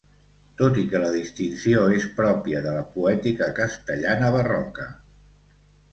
Tot i que la distinció és pròpia de la poètica castellana barroca.